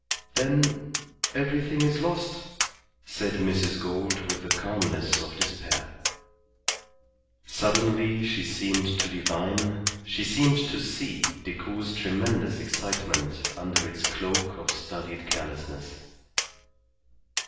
"Then everything is lost," said Mrs. Gould, with the calmness of despair. Suddenly she seemed to divine, she seemed to see Decoud's tremendous excitement under its cloak of studied carelessness.